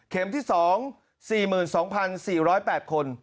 เข็มที่๒๔๒๔๐๘คน